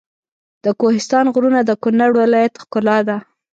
د کوهستان غرونه د کنړ ولایت ښکلا ده.